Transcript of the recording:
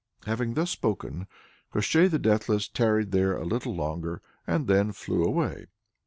Having thus spoken, Koshchei the Deathless tarried there a little longer, and then flew away.